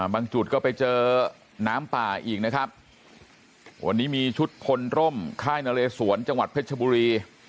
จุดก็ไปเจอน้ำป่าอีกนะครับวันนี้มีชุดพลร่มค่ายนเลสวนจังหวัดเพชรบุรี